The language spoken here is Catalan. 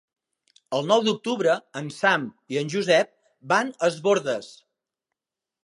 El nou d'octubre en Sam i en Josep van a Es Bòrdes.